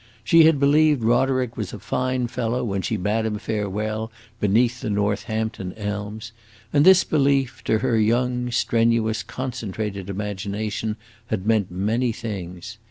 She had believed Roderick was a fine fellow when she bade him farewell beneath the Northampton elms, and this belief, to her young, strenuous, concentrated imagination, had meant many things.